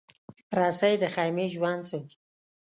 رسۍ د خېمې ژوند ساتي.